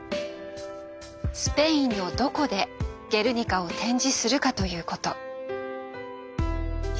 スペインのどこで「ゲルニカ」を展示するかということ。